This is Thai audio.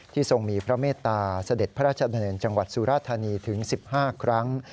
ทรงมีพระเมตตาเสด็จพระราชดำเนินจังหวัดสุราธานีถึง๑๕ครั้ง